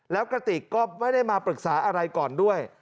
แล้วกระติกก็ไม่ได้มาปรึกษาอะไรก่อนด้วย